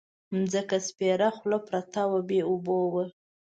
ځمکه سپېره خوله پرته وه بې اوبو وه.